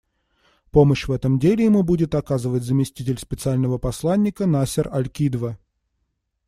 Помощь в этом деле ему будет оказывать заместитель Специального посланника Насер аль-Кидва.